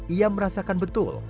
ia merasakan betul